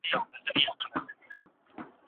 دا لپټاپ تر هغه بل ډېر نوی دی.